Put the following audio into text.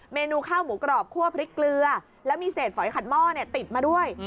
เมนูข้าวหมูกรอบคั่วพริกเกลือแล้วมีเศษฝอยขัดหม้อติดมาด้วย